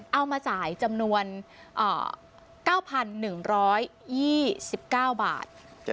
เอามาจ่ายจำนวน๙๑๒๙บาท